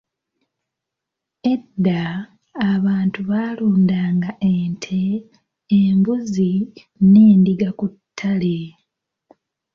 "Edda, abantu baalundanga ente, embuzi n’endiga ku ttale."